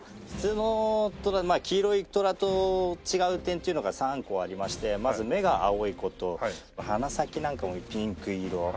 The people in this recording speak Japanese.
普通のトラ黄色いトラと違う点っていうのが３個ありましてまず目が青い事鼻先なんかもピンク色。